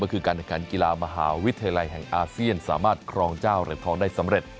ก็คือการแข่งขันกีฬามหาวิทยาลัยแห่งอาเซียนสามารถครองเจ้าเหรียญทองได้สำเร็จ